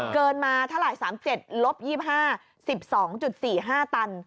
เกินมาเท่าไหร่๓๗ลบ๒๕๑๒๔๕ตัน